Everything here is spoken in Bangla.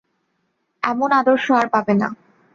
এমন আদর্শ আর পাবে না।